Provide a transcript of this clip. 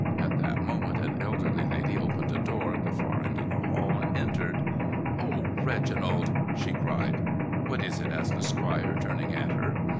At that moment an elderly lady opened a door at the far end of the hall and entered. "Oh, Reginald!" she cried. "What is it?" asked the squire, turning at her.